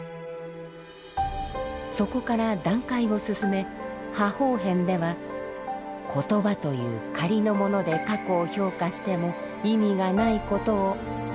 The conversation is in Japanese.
そこから段階を進め「破法遍」では言葉という仮のもので過去を評価しても意味がないことを了解します。